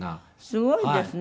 すごいですね。